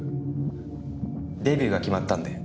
デビューが決まったんで。